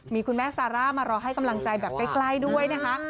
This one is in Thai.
มีคุณแม่ซาร่ามารอให้กำลังใจแบบใกล้ด้วยนะคะ